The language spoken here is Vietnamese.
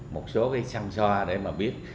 một số cái xăm xoa để mà biết